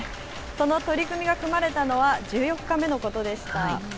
その取組が組まれたのは１４日目のことでした。